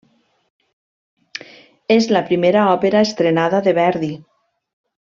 És la primera òpera estrenada de Verdi.